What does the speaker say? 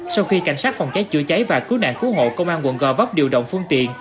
sau khi cảnh sát phòng trái chữa trái và cú nạc cú hộ công an tp hcm điều động phương tiện